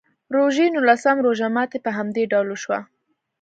د روژې نولسم روژه ماتي په همدې ډول وشو.